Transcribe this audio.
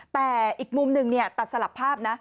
แต่อีกมุมหนึ่งตัดสลับภาพนะ